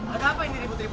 ada apa ini ribut ribut